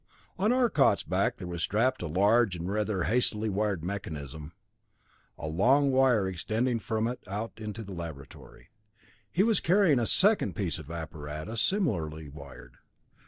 On Arcot's back there was strapped a large and rather hastily wired mechanism one long wire extending from it out into the laboratory. He was carrying a second piece of apparatus, similarly wired.